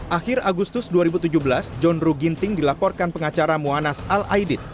akhir agustus dua ribu tujuh belas john ruh ginting dilaporkan pengacara muanas ⁇ al aidid